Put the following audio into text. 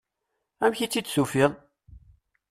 Amek i t-id-tufiḍ?